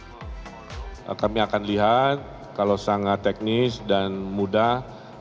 jawa barat adalah sebuah perusahaan yang sangat teknis dan mudah